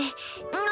何？